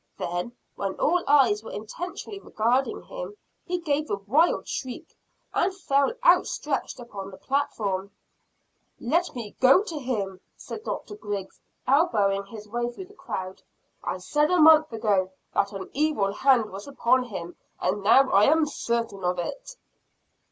Then, when all eyes were intently regarding him, he gave a wild shriek, and fell outstretched upon the platform. "Let me to him!" said Dr. Griggs, elbowing his way through the crowd. "I said a month ago that an 'evil hand' was upon him; and now I am certain of it."